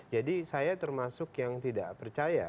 jadi saya termasuk yang tidak percaya